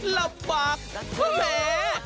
ละบากเพล